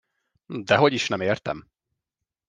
Dehogyisnem értem!